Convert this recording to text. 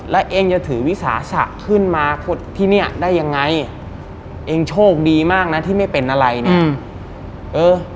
แล้วเองจะถือวิสาสะขึ้นมาขุดที่เนี้ยได้ยังไงเองโชคดีมากนะที่ไม่เป็นอะไรเนี่ยเออ